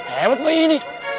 hebat bayi ini